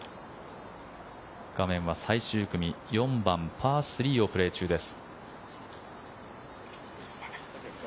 画面は最終組４番、パー３をプレー中です。